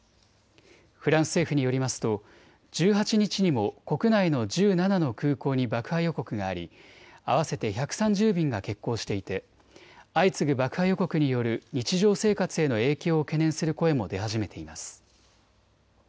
フランス政府によりますと１８日にも国内の１７の空港に爆破予告があり合わせて１３０便が欠航していて相次ぐ爆破予告による日常生活への影響を懸念する声も出始めています。